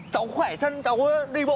cháu khỏe chân cháu đi bộ ạ